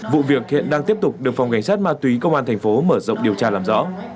vụ việc hiện đang tiếp tục được phòng cảnh sát ma túy công an thành phố mở rộng điều tra làm rõ